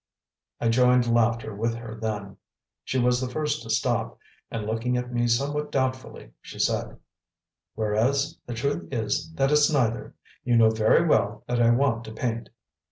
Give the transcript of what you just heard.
I joined laughter with her then. She was the first to stop, and, looking at me somewhat doubtfully, she said: "Whereas, the truth is that it's neither. You know very well that I want to paint."